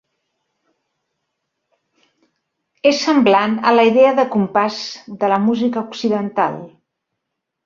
És semblant a la idea de compàs de la música occidental.